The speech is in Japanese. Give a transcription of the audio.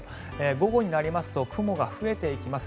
午後になりますと雲が増えていきます。